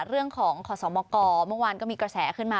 เรื่องของขอสมกเมื่อวานก็มีกระแสขึ้นมา